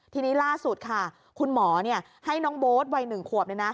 ทีนี้ล่าสุดค่ะคุณหมอให้น้องโบ๊ทวัย๑ขวบ